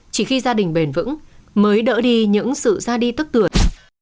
chỉ khi gia đình bền vững mới đỡ đi những sự ra đi tức cượt